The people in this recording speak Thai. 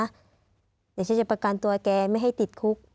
เดี๋ยวฉันจะประกันตัวแกไม่ให้ติดคุก